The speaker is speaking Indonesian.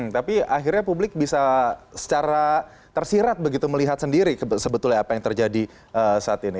tapi akhirnya publik bisa secara tersirat begitu melihat sendiri sebetulnya apa yang terjadi saat ini